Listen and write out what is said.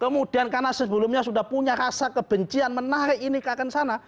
kemudian karena sebelumnya sudah punya rasa kebencian menarik ini ke akan sana